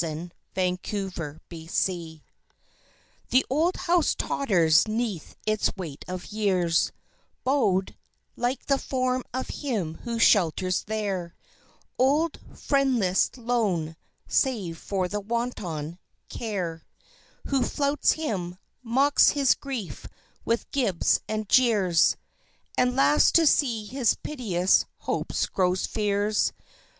In Fortune's Twilight The old house totters 'neath its weight of years, Bowed, like the form of him who shelters there, Old, friendless, lone save for the wanton, Care, Who flouts him, mocks his grief with gibes and jeers And laughs to see his piteous hopes grow fears.